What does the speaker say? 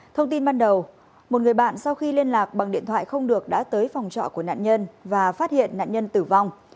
thông tin ban đầu một người bạn sau khi liên lạc bằng điện thoại không được đã tới phòng trọ của nạn nhân và phát hiện nạn nhân tử vong